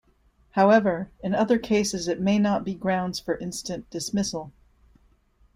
However, in other cases it may not be grounds for instant dismissal.